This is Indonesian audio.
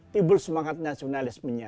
timbul semangat nasionalismenya